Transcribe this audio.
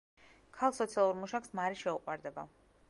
ქალ სოციალურ მუშაკს მარი შეუყვარდება.